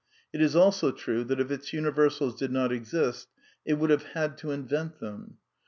It is also true that if its imiversals did not exist it would have had to invent them.